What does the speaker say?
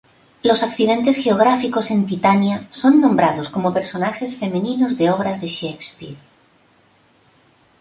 Los accidentes geográficos en Titania son nombrados como personajes femeninos de obras de Shakespeare.